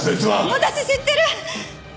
私知ってる！